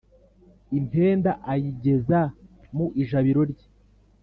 Impenda ayigeza mu ijabiro rye.